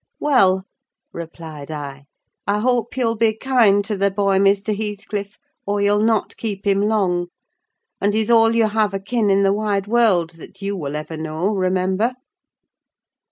"Well," replied I, "I hope you'll be kind to the boy, Mr. Heathcliff, or you'll not keep him long; and he's all you have akin in the wide world, that you will ever know—remember."